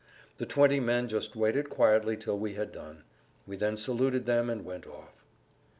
The twenty men just waited quietly till we had done; we then saluted them and went off.